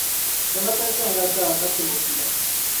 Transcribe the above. Samata chaŋla daa ka ti be kuna